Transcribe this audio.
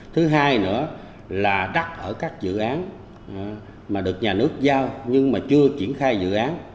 thứ hai nữa là đất ở các dự án mà được nhà nước giao nhưng mà chưa triển khai dự án